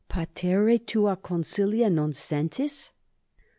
Patere tua consilia non sentis?